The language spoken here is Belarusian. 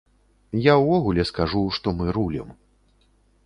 Я ўвогуле скажу, што мы рулім.